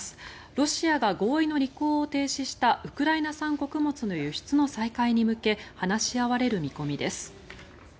ロシアが合意の履行を停止したウクライナ産穀物の輸出の再開に向け話し合われる見込みです。